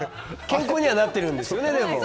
健康にはなってるんですよね。